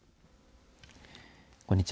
こんにちは。